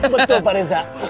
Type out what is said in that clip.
betul pak reza